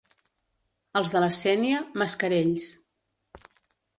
Els de la Sénia, mascarells.